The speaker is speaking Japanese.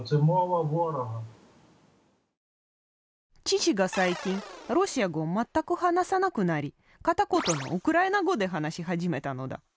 父が最近ロシア語を全く話さなくなり片言のウクライナ語で話し始めたのだ。